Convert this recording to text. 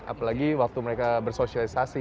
apalagi waktu mereka bersosialisasi